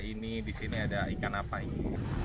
disini ada ini disini ada ikan apa ini